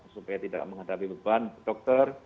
supaya tidak menghadapi beban dokter